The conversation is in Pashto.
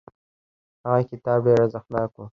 هغه کتاب ډیر ارزښتناک و.